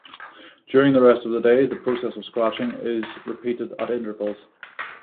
During the rest of the day the process of scratching is repeated at intervals.